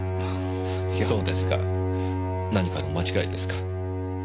そうですか何かの間違いですか。